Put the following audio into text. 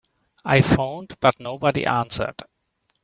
I phoned but nobody answered.